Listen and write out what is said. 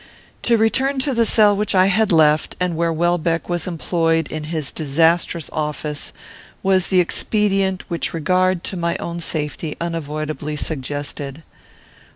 To return to the cell which I had left, and where Welbeck was employed in his disastrous office, was the expedient which regard to my own safety unavoidably suggested.